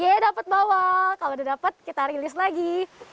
yeay dapat bawah kalau udah dapat kita rilis lagi